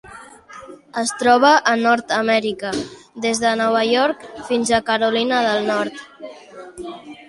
Es troba a Nord-amèrica: des de Nova York fins a Carolina del Nord.